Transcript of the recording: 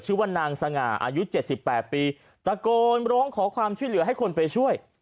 ชื่อว่านางสง่าอายุ๗๘ปีตะโกนร้องขอความช่วยเหลือให้คนไปช่วย